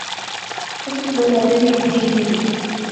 اس نے پیو دادے وی ایتھیں ایہہ رہے